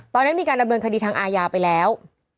ตอนนี้มีการดำเนินคดีทางอาญาไปแล้ว